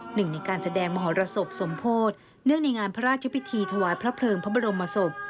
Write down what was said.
หนึ่งในการแสดงมหรสบสมโพธิเนื่องในงานพระราชพิธีถวายพระเพลิงพระบรมศพ